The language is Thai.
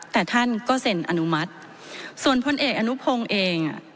แต่ท่านก็เซ็นอนุมัติส่วนพลเอกอนุพงศ์เองอ่ะ